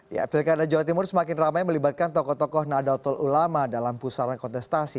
ya pilkada jawa timur semakin ramai melibatkan tokoh tokoh nadatul ulama dalam pusaran kontestasi